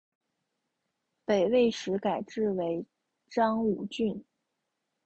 北魏时改置为章武郡。